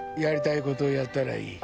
やりたいことやったらいい。